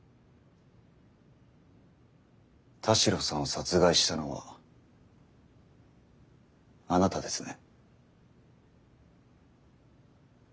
田代さんを殺害したのはあなたですね？